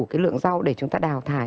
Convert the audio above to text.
cái lượng rau để chúng ta đào thải